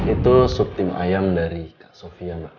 itu sup tim ayam dari kak sofia mbak